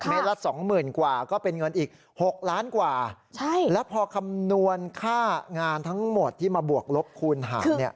ละสองหมื่นกว่าก็เป็นเงินอีก๖ล้านกว่าแล้วพอคำนวณค่างานทั้งหมดที่มาบวกลบคูณหารเนี่ย